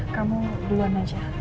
kamu duluan aja